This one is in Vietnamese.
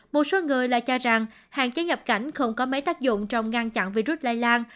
một số người lại cho rằng hạn chế nhập cảnh không có mấy tác dụng trong ngăn chặn virus lây lan